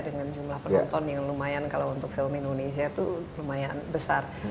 dengan jumlah penonton yang lumayan kalau untuk film indonesia itu lumayan besar